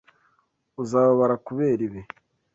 Uzababara kubera ibi.